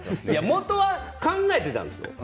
もとは一緒に考えていたんですよ